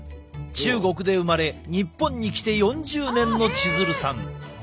中国で生まれ日本に来て４０年の千鶴さん。